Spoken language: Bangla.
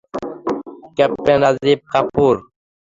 ক্যাপ্টেন রাজিব কাপুর।